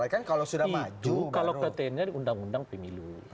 kalau ke tni undang undang pemilu